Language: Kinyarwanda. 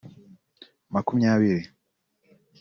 makumyabili